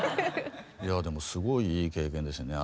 いやぁでもすごいいい経験でしたね。